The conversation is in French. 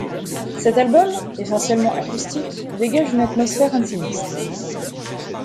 Cet album, essentiellement acoustique, dégage une atmosphère intimiste.